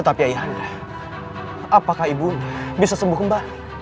tapi ayah andra apakah ibunya bisa sembuh kembali